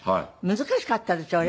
難しかったでしょ？